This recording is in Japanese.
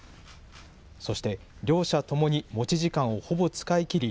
そして、両者ともに持ち時間をほぼ使いきり、